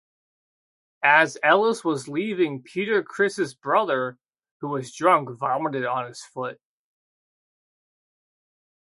As Ellis was leaving, Peter Criss's brother, who was drunk, vomited on his foot.